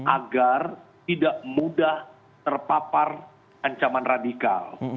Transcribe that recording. agar tidak mudah terpapar ancaman radikal